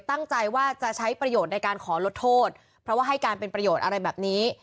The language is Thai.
ตั้งใจว่าจะใช้ประโยชน์ในการขอลดโทษเพราะว่าให้การเป็นประโยชน์อะไรแบบนี้